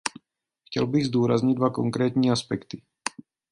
Chtěl bych zdůraznit dva konkrétní aspekty.